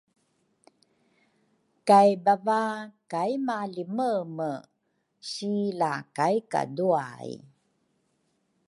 kay bava kai malimeme si la kai kaduay.